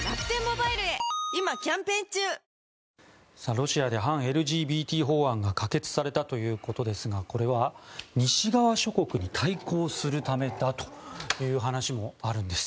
ロシアで反ＬＧＢＴ法案が可決されたということですがこれは西側諸国に対抗するためだという話もあるんです。